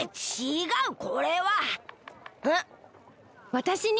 わたしに？